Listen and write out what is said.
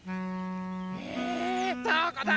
え⁉・どこだ？